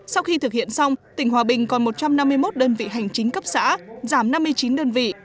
sau khi thực hiện xong tỉnh hòa bình còn một trăm năm mươi một đơn vị hành chính cấp xã giảm năm mươi chín đơn vị